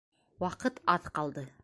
Ваҡыт аҙ ҡалды.